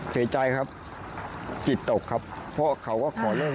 เสียใจครับจิตตกครับเพราะเขาก็ขอเล่น